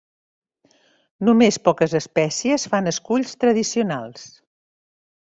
Només poques espècies fan esculls tradicionals.